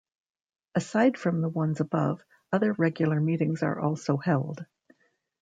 Aside from the ones above, other regular meetings are also held.